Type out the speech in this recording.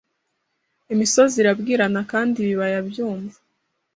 Imisozi irabwirana kandi Ibibaya byumva